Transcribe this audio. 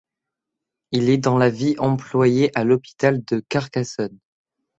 Il est dans la vie employé à l'hôpital de Carcassonne.